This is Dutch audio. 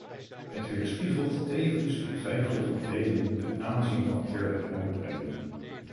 Het weerspiegelt tevens de twijfel van velen ten aanzien van verdere uitbreiding.